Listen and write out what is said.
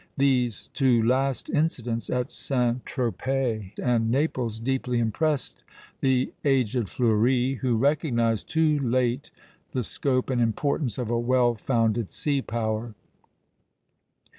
These two last incidents, at St. Tropez and Naples, deeply impressed the aged Fleuri, who recognized too late the scope and importance of a well founded sea power.